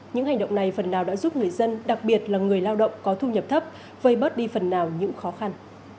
những hành động này phần nào đã giúp người dân đặc biệt là người lao động có thu nhập thấp vây bớt đi phần nào những khó khăn